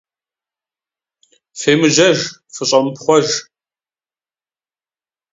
Фемыжьэж! ФыщӀэмыпхуъэж!